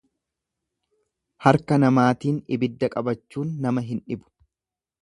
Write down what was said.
Harka namaatiin ibidda qabachuun nama hin dhibu.